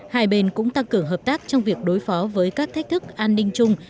hai bên cũng tăng cường hợp tác trong việc đối phó với các thách thức an ninh chung